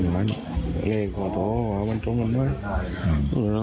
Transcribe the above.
มันเล็กกว่าตัวมันต้องกำลังไว้